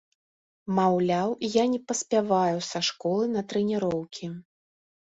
Маўляў, я не паспяваю са школы на трэніроўкі.